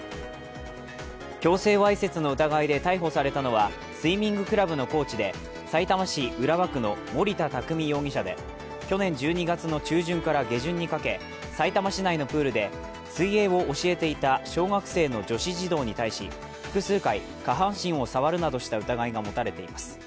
強制わいせつの疑いで逮捕されたのはスイミングクラブのコーチでさいたま市浦和区の森田匠容疑者で、去年１２月の中旬から下旬にかけさいたま市内のプールで水泳を教えていた小学生女子児童に対し、複数回、下半身を触るなどした疑いが持たれています。